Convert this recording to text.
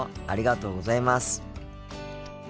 ありがとうございます。